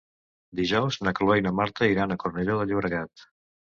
Dijous na Cloè i na Marta iran a Cornellà de Llobregat.